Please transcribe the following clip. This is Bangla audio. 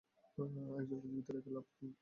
একজনকে জীবিত রেখে লাভ কী?